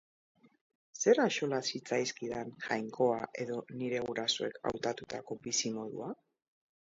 Zer axola zitzaizkidan Jainkoa edo nire gurasoek hautatutako bizimodua?